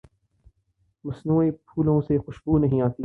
مصنوعی پھولوں سے خوشبو نہیں آتی